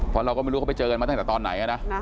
เพราะเราก็ไม่รู้เขาไปเจอกันมาตั้งแต่ตอนไหนนะ